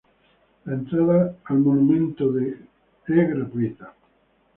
La entrada al monumento de Cristo Rey es gratuita.